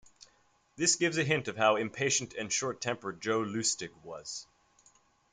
This gives a hint of how impatient and short-tempered Jo Lustig was.